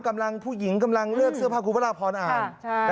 กำลังผู้หญิงกำลังเลือกเสื้อผ้าคุณพระราพรอ่าน